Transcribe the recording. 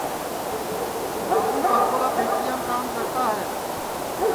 بابو پاکولا پھکٹیرام کام کرتا ہے